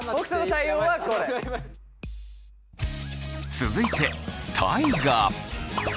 続いて大我。